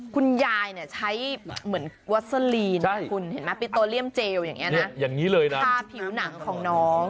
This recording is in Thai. คุณยายใช้วัสเซอรีนปิโตเรียมเจลทาผิวหนังของน้อง